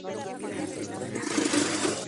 Tiene un hijo, Arnaldo.